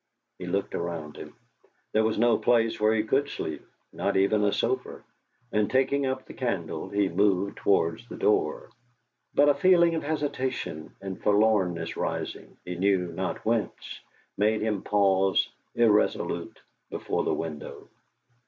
He looked around him. There was no place where he could sleep, not even a sofa, and taking up the candle, he moved towards the door. But a feeling of hesitation and forlornness rising, he knew not whence, made him pause irresolute before the window.